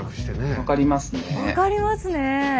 分かりますね。